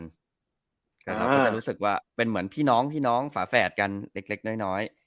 เราก็จะรู้สึกว่าเป็นเหมือนพี่น้องฝาแฝดกันเล็กน้อย